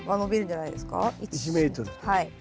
はい。